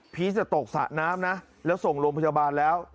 ตกสระน้ำนะแล้วส่งโรงพยาบาลแล้ว